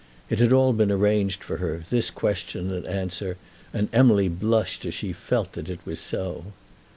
It had all been arranged for her, this question and answer, and Emily blushed as she felt that it was so.